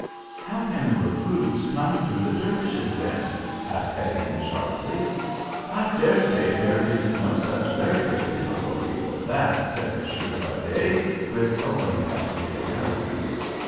"How can the recruits come through the Dervishes, then?" asked Headingly, sharply. "I dare say there is no such very great difficulty over that," said Monsieur Fardet, with a wink at the American.